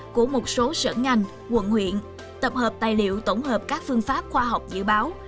của một số sở ngành quận huyện tập hợp tài liệu tổng hợp các phương pháp khoa học dự báo